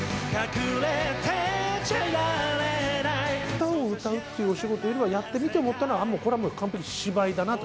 歌を歌うってお仕事よりは、やってみて思ったのは、ああ、これはもう完璧、芝居だなと。